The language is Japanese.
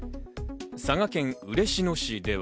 佐賀県嬉野市では。